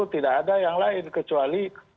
tidak ada yang lain kecuali